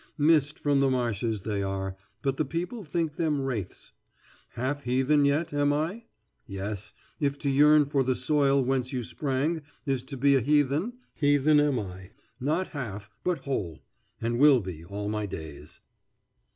Mist from the marshes they are, but the people think them wraiths. Half heathen yet, am I? Yes, if to yearn for the soil whence you sprang is to be a heathen, heathen am I, not half, but whole, and will be all my days.